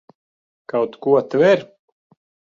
Kaut ko tver?